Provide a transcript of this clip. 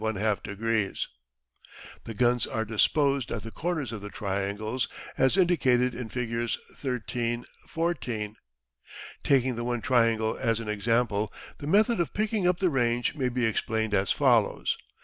The guns are disposed at the corners of the triangles as indicated in Figs. 13 14. Taking the one triangle as an example, the method of picking up the range may be explained as follows.